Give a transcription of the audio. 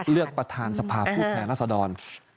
เลือกประธานสภาพผู้แทนรัฐสดร